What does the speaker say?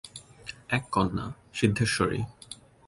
এক কন্যা, সিদ্ধেশ্বরী।